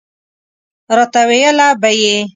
راته ویله به یې.